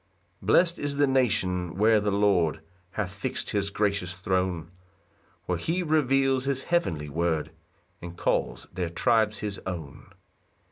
1 Blest is the nation where the Lord Hath fix'd his gracious throne; Where he reveals his heavenly word, And calls their tribes his own.